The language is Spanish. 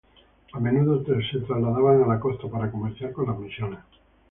A menudo se trasladaban a la costa para comerciar con las misiones.